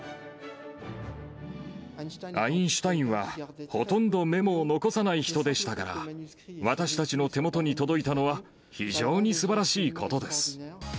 アインシュタインはほとんどメモを残さない人でしたから、私たちの手元に届いたのは、非常にすばらしいことです。